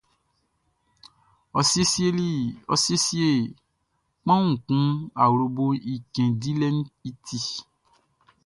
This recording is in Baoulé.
Ɔ siesie kpanwun kun awloboʼn i cɛn dilɛʼn i ti.